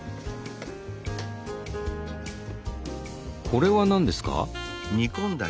これは何ですか？